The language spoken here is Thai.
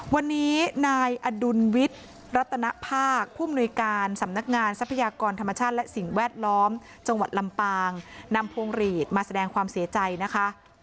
วันนี้นายอดุลวิทย์รัตนภาคภูมิหน่วยการสำนักงานทรัพยากรธรรมชาติและสิ่งแวดล้อมจังหวัดลำปางนำพวงหลีดมาแสดงความเสียใจนะคะ